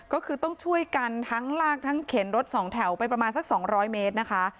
ก็คือต้องช่วยกันทั้งลากทั้งเข็นรถสองแถวไปประมาณสัก๒๐๐เมตรนะคะ